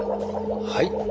はい。